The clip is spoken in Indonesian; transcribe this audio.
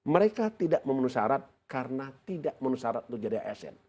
mereka tidak memenuhi syarat karena tidak memenuhi syarat untuk menjadi asn